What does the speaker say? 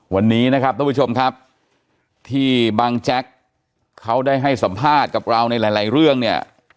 วันนี้นะครับท่านผู้ชมครับที่บางแจ็คเขาได้ให้สัมภาษณ์กับเราในหลายเรื่องเนี่ย